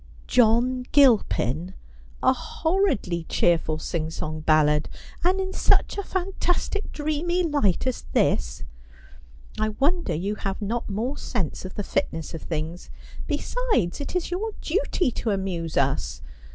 John Gilpin ! a horridly cheerful singsong ballad — and in such a fantastic dreamy light as this ! I wonder you have not more sense of the fitness of things. Besides, it is your duty to amuse us.